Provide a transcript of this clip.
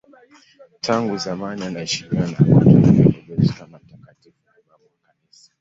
Tangu zamani anaheshimiwa na Wakatoliki na Waorthodoksi kama mtakatifu na babu wa Kanisa.